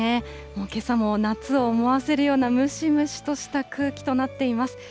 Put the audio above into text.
もうけさも夏を思わせるようなムシムシとした空気となっています。